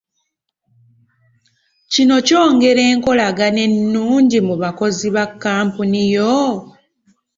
Kino kyongera enkolagana ennungi mu bakozi ba kkampuni yo?